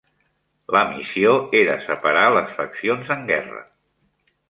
La missió era separar les faccions en guerra.